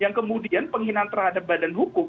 yang kemudian penghinaan terhadap badan hukum